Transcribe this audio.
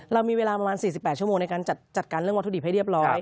เรามีเวลาประมาณ๔๘ชั่วโมงในการจัดการเรื่องวัตถุดิบให้เรียบร้อย